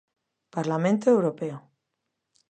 Parlamento Europeo.